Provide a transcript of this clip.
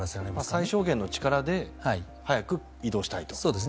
最小限の力で早く移動したいと。